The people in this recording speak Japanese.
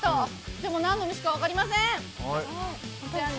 でも、何の虫か分かりません。